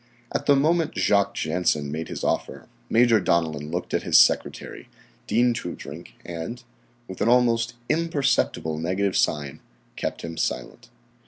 At the moment Jacques Jansen made his offer Major Donellan looked at his secretary, Dean Toodrink, and, with an almost imperceptible negative sign, kept him silent.